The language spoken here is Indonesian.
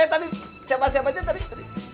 eh tadi siapa siapanya tadi